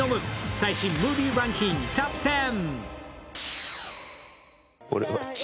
最新ムービーランキングトップ１０。